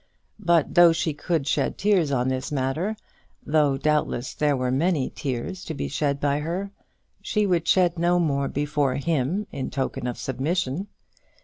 But though she could shed tears on this matter, though, doubtless, there were many tears to be shed by her, she would shed no more before him in token of submission.